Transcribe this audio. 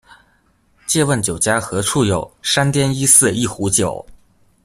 借問酒家何處有，山巔一寺一壺酒